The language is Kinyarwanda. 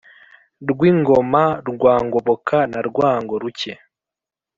rwigoma rwa ngoboka na rwango-ruke,